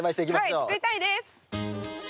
はい作りたいです！